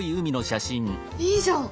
いいじゃん！